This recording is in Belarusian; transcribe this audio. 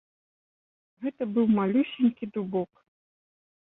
Гэта быў малюсенькі дубок.